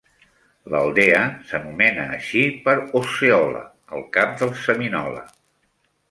L'aldea s'anomena així per Osceola, el cap dels seminola.